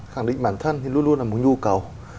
khẳng định bản thân thì luôn luôn là một nhu cầu